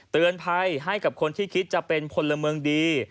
เตือนภัยให้กับคนที่คิดจะเป็นพลเมืองดี